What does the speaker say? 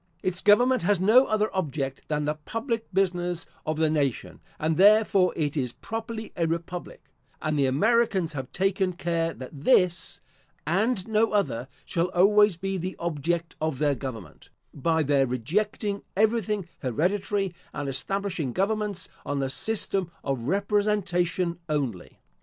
Its government has no other object than the public business of the nation, and therefore it is properly a republic; and the Americans have taken care that This, and no other, shall always be the object of their government, by their rejecting everything hereditary, and establishing governments on the system of representation only.